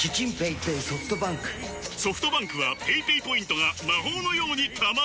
ソフトバンクはペイペイポイントが魔法のように貯まる！